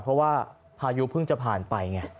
เพราะว่าพายุเพิ่งจะผ่านไปไง